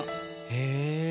へえ。